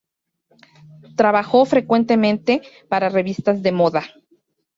Trabajó frecuentemente para revistas de moda.